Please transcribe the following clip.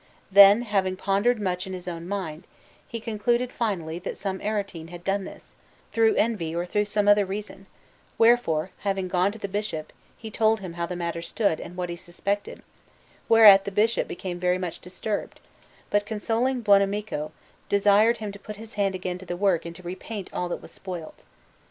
Then, having pondered much in his own mind, he concluded finally that some Aretine had done this, through envy or through some other reason; wherefore, having gone to the Bishop, he told him how the matter stood and what he suspected, whereat the Bishop became very much disturbed, but, consoling Buonamico, desired him to put his hand again to the work and to repaint all that was spoilt.